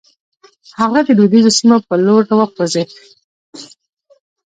هغه د لويديځو سيمو پر لور وخوځېد.